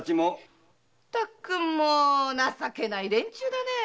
まったく情けない連中だね。